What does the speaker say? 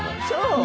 そう！